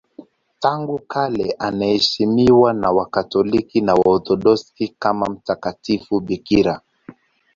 Tangu kale anaheshimiwa na Wakatoliki na Waorthodoksi kama mtakatifu bikira.